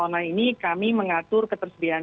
online ini kami mengatur ketersediaan